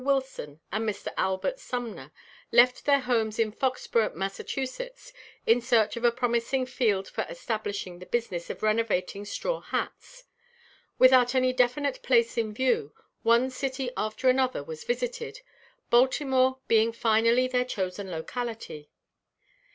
Wilson and Mr. Albert Sumner left their homes in Foxboro, Mass., in search of a promising field for establishing the business of renovating straw hats. Without any definite place in view, one city after another was visited, Baltimore being finally their chosen locality.